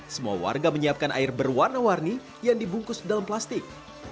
semua warga menyiapkan air berwarna warni yang dibungkus dalam plastik